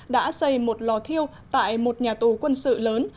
đã xây một lò thiêu tại một nhà tù quân sự lớn